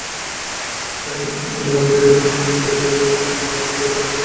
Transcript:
চান্ডিমালের বেরিয়ে যাওয়ায় ম্যাচ বেরিয়ে যাওয়া মানতে আপত্তি থাকতে পারে কারও কারও।